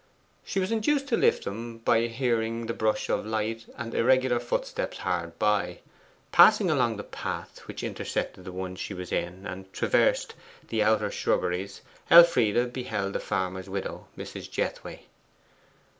She was induced to lift them by hearing the brush of light and irregular footsteps hard by. Passing along the path which intersected the one she was in and traversed the outer shrubberies, Elfride beheld the farmer's widow, Mrs. Jethway.